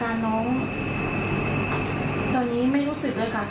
อันดับที่สุดท้าย